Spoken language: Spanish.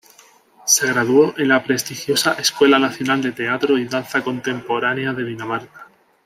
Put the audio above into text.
Se graduó en la prestigiosa Escuela Nacional de Teatro y Danza Contemporánea de Dinamarca.